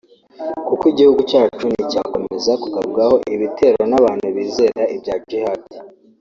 kuko gihugu cyacu nticyakomeza kugabwaho ibitero n’abantu bizera ibya Jihad